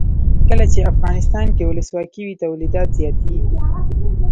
کله چې افغانستان کې ولسواکي وي تولیدات زیاتیږي.